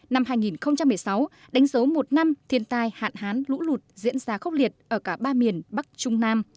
năm hai nghìn một mươi sáu đánh dấu một năm thiên tai hạn hán lũ lụt diễn ra khốc liệt ở cả ba miền bắc trung nam